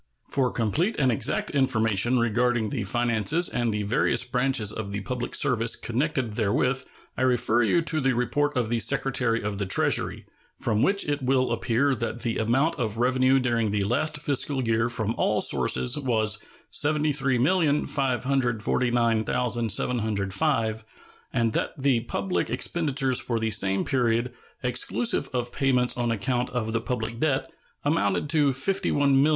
For complete and exact information regarding the finances and the various branches of the public service connected therewith I refer you to the report of the Secretary of the Treasury, from which it will appear that the amount of revenue during the last fiscal year from all sources was $73,549,705, and that the public expenditures for the same period, exclusive of payments on account of the public debt, amounted to $51, 018,249.